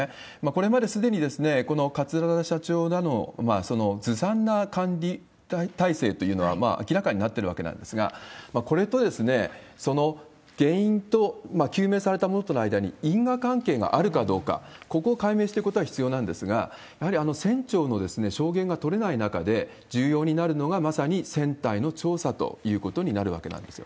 これまですでに、この桂田社長らのそのずさんな管理体制というのは明らかになってるわけなんですが、これと原因究明されたものとの間に因果関係があるかどうか、ここを解明していくことが必要なんですが、やはり船長の証言が取れない中で、重要になるのが、まさに船体の調査ということになるわけなんです